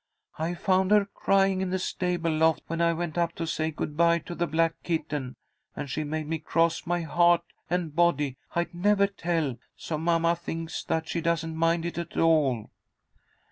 I found her crying in the stable loft when I went up to say good bye to the black kitten, and she made me cross my heart and body I'd never tell, so mamma thinks that she doesn't mind it at all.